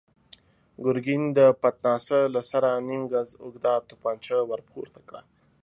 ګرګين د پتناسه له سره نيم ګز اوږده توپانچه ور پورته کړه.